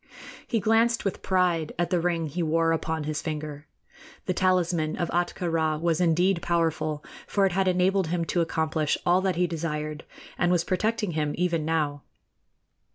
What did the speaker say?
He glanced with pride at the ring he wore upon his finger. The talisman of Ahtka Rā was indeed powerful, for it had enabled him to accomplish all that he desired, and was protecting him even now.